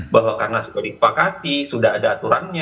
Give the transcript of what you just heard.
bahwa karena sudah dipakati sudah ada aturannya